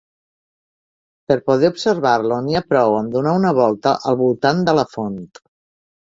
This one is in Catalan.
Per poder observar-lo, n'hi ha prou amb donar una volta al voltant de la font.